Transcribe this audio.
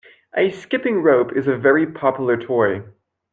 A skipping rope is a very popular toy